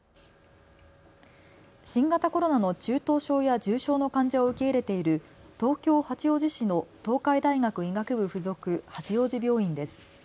新型コロナの中等症や重症の患者を受け入れている東京八王子市の東海大学医学部付属八王子病院です。